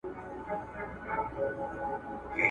چي له جګو جګو غرونو له پېچومو کنډوونو ..